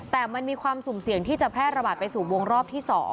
แต่มันมีความสุ่มเสี่ยงที่จะแพร่ระบาดไปสู่วงรอบที่๒